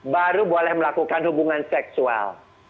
baru boleh melakukan hubungan seksual